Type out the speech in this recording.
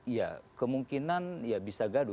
ya kemungkinan ya bisa gaduh